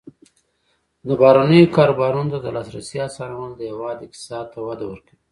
د بهرنیو کاروبارونو ته د لاسرسي اسانول د هیواد اقتصاد ته وده ورکوي.